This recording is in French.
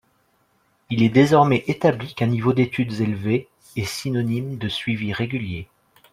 Il est désormais établi qu’un niveau d’études élevé est synonyme de suivi régulier.